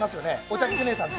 お茶漬け姉さん。